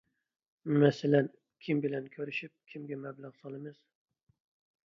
مەسىلەن، كىم بىلەن كۆرۈشۈپ، كىمگە مەبلەغ سالىمىز؟